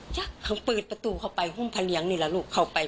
จ๊ะคงเปิดประตูเข้าไปหุ้มพ่อเลี้ยงนี่ล่ะลูกเข้าไป